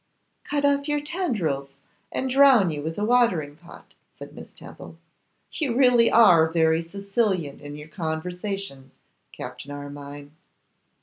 'Cut off your tendrils and drown you with a watering pot,' said Miss Temple; 'you really are very Sicilian in your conversation, Captain Armine.